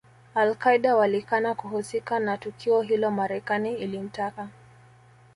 Al Qaeda walikana kuhusika na tukio hilo Marekani ilimtaka